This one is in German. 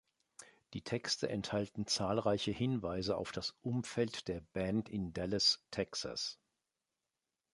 Die Texte enthalten zahlreiche Hinweise auf das Umfeld der Band in Dallas, Texas.